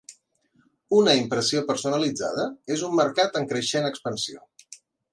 Una impressió personalitzada és un mercat en creixent expansió.